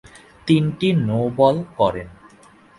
তিনটি নো-বল করেন।